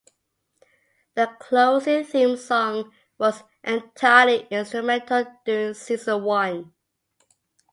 The closing theme song was entirely instrumental during season one.